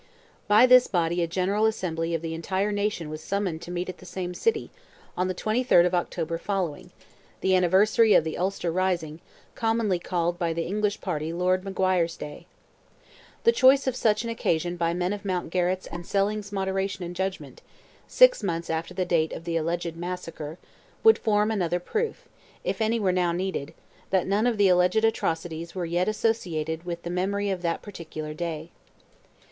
By this body a General Assembly of the entire Nation was summoned to meet at the same city, on the 23rd of October following—the anniversary of the Ulster rising, commonly called by the English party "Lord Maguire's day." The choice of such an occasion by men of Mountgarrett's and Selling's moderation and judgment, six months after the date of the alleged "massacre," would form another proof, if any were now needed, that none of the alleged atrocities were yet associated with the memory of that particular day.